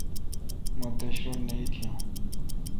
مہ دیش رل نہ ایتھیوں۔